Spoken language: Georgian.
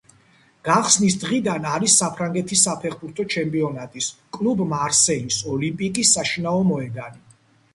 გახსნის დღიდან არის საფრანგეთის საფეხბურთო ჩემპიონატის კლუბ მარსელის ოლიმპიკის საშინაო მოედანი.